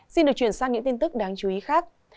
xin được chuyển sang những tin tức đáng chú ý khác